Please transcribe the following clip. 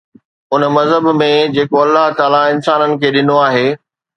ان مذهب ۾ جيڪو الله تعاليٰ انسانن کي ڏنو آهي